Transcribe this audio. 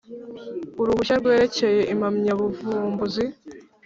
Uruhushya rwerekeye impamyabuvumbuzi